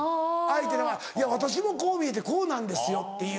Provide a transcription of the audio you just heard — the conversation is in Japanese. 「いや私もこう見えてこうなんですよ」っていう。